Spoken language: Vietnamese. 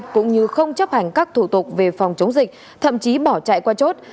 cũng như không chấp hành các thủ tục về phòng chống dịch thậm chí bỏ chạy qua chốt